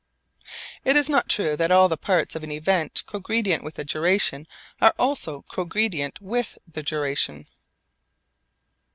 It is not true that all the parts of an event cogredient with a duration are also cogredient with the duration.